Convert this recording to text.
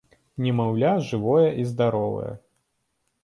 Немаўля жывое і здаровае.